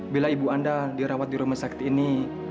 bila ibu anda dirawat di rumah sakit ini